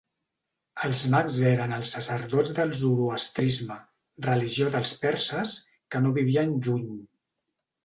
Els mags eren els sacerdots del zoroastrisme, religió dels perses, que no vivien lluny.